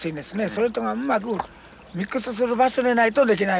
それとがうまくミックスする場所でないと出来ないわけです。